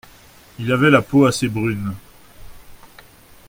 Il avait la peau assez brune (p.